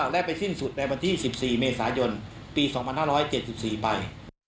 และไปสิ้นสุดในวันที่๑๔เมษายนปี๒๕๗๔ไป